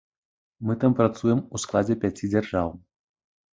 Мы там працуем у складзе пяці дзяржаў.